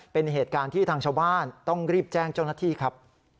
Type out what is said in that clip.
เป็นเหตุการณ์ที่ทางชาวบ้านต้องรีบแจ้งเจ้าหน้าที่ครับ